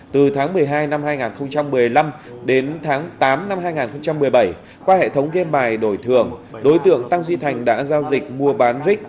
từ tháng một mươi hai năm hai nghìn một mươi năm đến tháng tám năm hai nghìn một mươi bảy qua hệ thống game bài đổi thưởng đối tượng tăng duy thành đã giao dịch mua bán rick